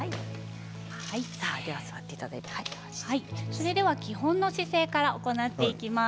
それでは基本の姿勢から行っていきます。